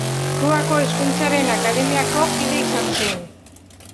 Kubako Hizkuntzaren Akademiako kide izan zen.